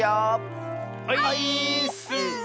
オイーッス！